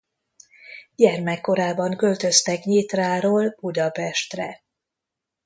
Gyermekkorában költöztek Nyitráról Budapestre.